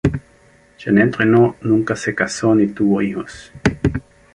Janet Reno, nunca se casó ni tuvo hijos.